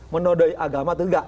menodai agama atau enggak